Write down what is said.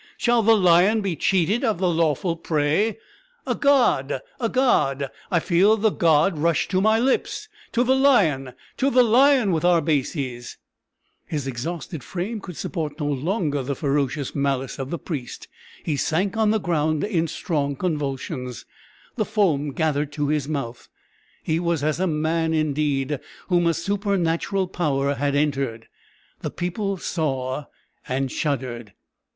Shall the lion be cheated of his lawful prey? A god! a god! I feel the god rush to my lips! To the lion to the lion with Arbaces!" His exhausted frame could support no longer the ferocious malice of the priest; he sank on the ground in strong convulsions; the foam gathered to his mouth; he was as a man, indeed, whom a supernatural power had entered! The people saw, and shuddered.